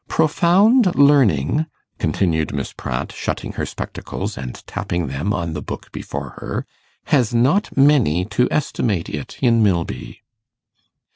Profound learning,' continued Miss Pratt, shutting her spectacles, and tapping them on the book before her, 'has not many to estimate it in Milby.